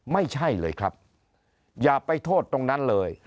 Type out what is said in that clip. ไม่ใช่เลยครับอย่าไปโทษตรงนั้นเลย